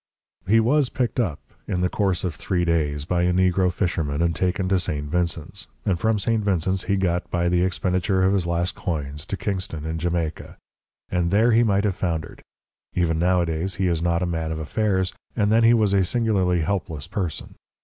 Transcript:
He was picked up in the course of three days by a negro fisherman and taken to St. Vincent's, and from St. Vincent's he got, by the expenditure of his last coins, to Kingston, in Jamaica. And there he might have foundered. Even nowadays he is not a man of affairs, and then he was a singularly helpless person.